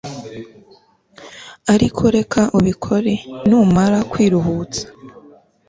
ariko reka ubikore, numara kwiruhutsa